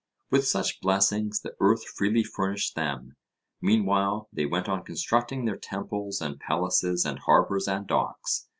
With such blessings the earth freely furnished them; meanwhile they went on constructing their temples and palaces and harbours and docks.